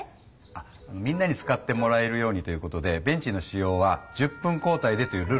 あみんなに使ってもらえるようにということでベンチの使用は１０分交代でというルールになりましたので。